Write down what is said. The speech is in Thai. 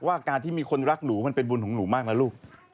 ว่าการที่มีคนรักหนูมันเป็นบุญของหนูมากนะลูก